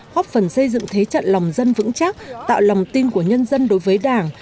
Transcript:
góp phần xây dựng thế trận lòng dân vững chắc tạo lòng tin của nhân dân đối với đảng